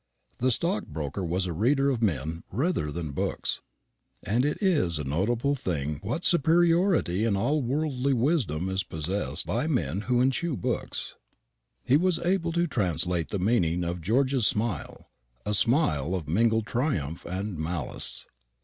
The stockbroker was a reader of men rather than books; and it is a notable thing what superiority in all worldly wisdom is possessed by men who eschew books. He was able to translate the meaning of George's smile a smile of mingled triumph and malice.